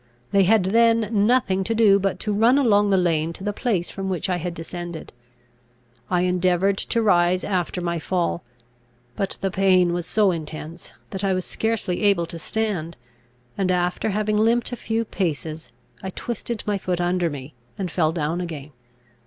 They had then nothing to do but to run along the lane to the place from which I had descended. I endeavoured to rise after my fall; but the pain was so intense, that I was scarcely able to stand, and, after having limped a few paces, I twisted my foot under me, and fell down again.